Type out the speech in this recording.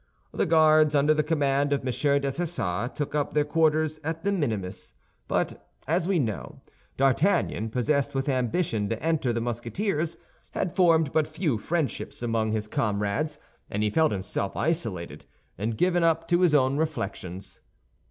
The Guards, under the command of M. Dessessart, took up their quarters at the Minimes; but, as we know, D'Artagnan, possessed with ambition to enter the Musketeers, had formed but few friendships among his comrades, and he felt himself isolated and given up to his own reflections.